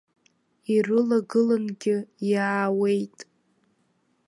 Ирылагылангьы иаауеит!